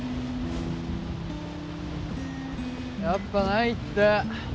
やっぱないって。